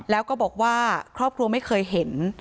แล้วก็บอกว่าครอบครัวไม่เคยเห็น